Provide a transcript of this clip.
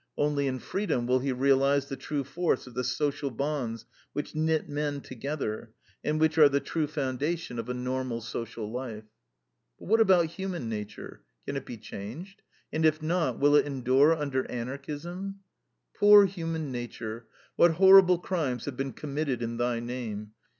Only in freedom will he realize the true force of the social bonds which knit men together, and which are the true foundation of a normal social life. But what about human nature? Can it be changed? And if not, will it endure under Anarchism? Poor human nature, what horrible crimes have been committed in thy name!